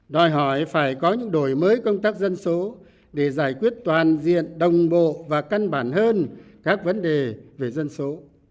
đòi hỏi phải có những đổi mới công tác dân số để giải quyết toàn diện đồng bộ và căn bản hơn các vấn đề về dân số